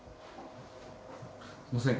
すいません。